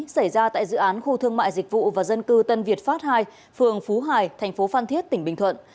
xảy ra tại dự án khu thương mại dịch vụ và dân cư tân việt pháp hai phường phú hải tp phan thiết tỉnh bình thuận